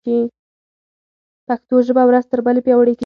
پښتو ژبه ورځ تر بلې پیاوړې کېږي.